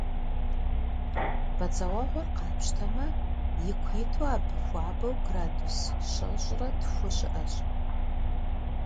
Бадзэуэгъуэр къапщтэмэ, ику иту абы хуабэу градус щэщӏрэ тху щыӏэщ.